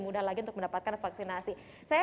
mudah lagi untuk mendapatkan vaksinasi saya